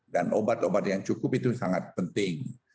dan obat obat yang cukup itu sangat penting